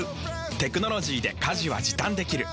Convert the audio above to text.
テクノロジーで家事は時短できる。